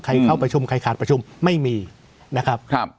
เข้าประชุมใครขาดประชุมไม่มีนะครับ